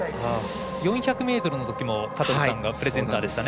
４００ｍのときも香取さんがプレゼンターでした。